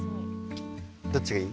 どっちがいい？